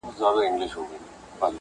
والله ه چي په تا پسي مي سترگي وځي